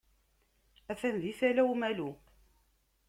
Atan di Tala Umalu.